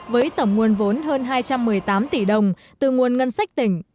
với tổng nguồn vốn hơn hai trăm một mươi tám tỷ đồng từ nguồn ngân sách tỉnh